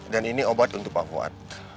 dan ini obat untuk pak fuad